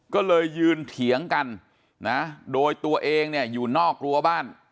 ก็เลยยืนเถียงกันนะโดยตัวเองเนี่ยอยู่นอกรั้วบ้าน